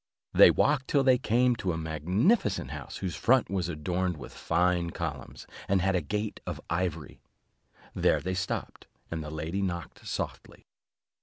They walked till they came to a magnificent house, whose front was adorned with fine columns, and had a gate of ivory. There they stopped, and the lady knocked softly.